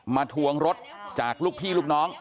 ทวงรถจากลูกพี่ลูกน้อง